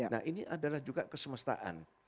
nah ini adalah juga kesemestaan